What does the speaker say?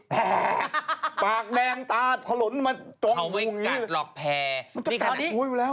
แผ่ปากแดงตาถลนมาตรงมุมนี้มันจับตาดิโอ้ยไม่แล้ว